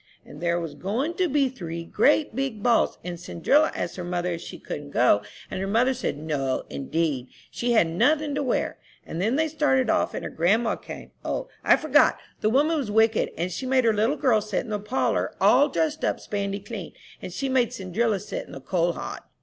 And there was goin' to be three great big balls, and Cindrilla asked her mother if she couldn't go, and her mother said, No, indeed; she hadn't nothin' to wear. And then they started off, and her grandma came, O, I forgot, the woman was wicked, and she made her little girls sit in the parlor, all dressed up spandy clean, and she made Cindrilla sit in the coal hod."